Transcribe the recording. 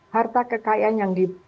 harta kekayaan yang di